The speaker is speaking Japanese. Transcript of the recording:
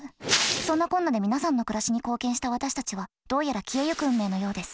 そんなこんなで皆さんの暮らしに貢献した私たちはどうやら消えゆく運命のようです。